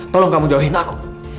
tolong kamu jauhin aku